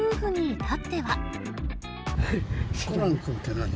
コナン君って何？